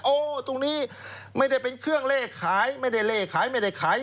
โอ้ตรงนี้ไม่ได้เป็นเครื่องเล่ขายไม่ได้เล่ขายไม่ได้ขาย